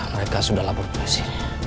mereka sudah lapor polisi